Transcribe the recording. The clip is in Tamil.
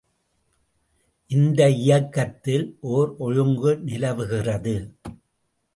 இந்த இயக்கத்தில் ஒர் ஒழுங்கு நிலவுகிறது.